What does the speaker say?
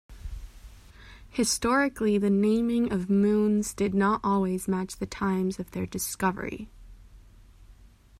Historically the naming of moons did not always match the times of their discovery.